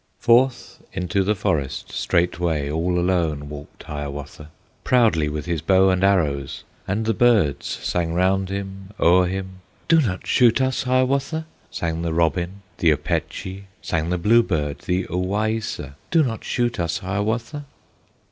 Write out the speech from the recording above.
Forth into the forest straightway All alone walked Hiawatha Proudly, with his bow and arrows; And the birds sang round him, o'er him, "Do not shoot us, Hiawatha!" Sang the robin, the Opechee, Sang the bluebird, the Owaissa, "Do not shoot us, Hiawatha!"